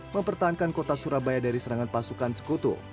mempertahankan kota surabaya dari serangan pasukan sekutu